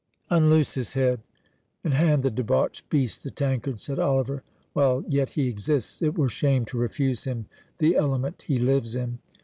"Unloose his head, and hand the debauched beast the tankard," said Oliver; "while yet he exists, it were shame to refuse him the element he lives in."